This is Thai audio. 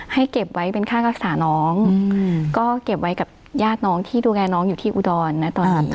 เก็บไว้เป็นค่ารักษาน้องก็เก็บไว้กับญาติน้องที่ดูแลน้องอยู่ที่อุดรนะตอนนี้